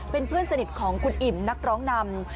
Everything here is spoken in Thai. เป็นเพื่อนสนิทของคุณอิ่มนักร้องนำ